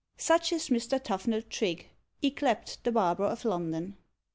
Such is Mr. Tuffnell Trigge, yclept the Barber of London.